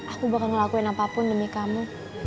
aku bakal ngelakuin apapun demi kamu